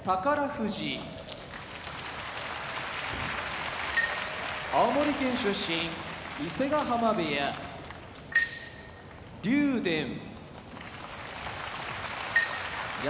富士青森県出身伊勢ヶ濱部屋竜電山梨県出身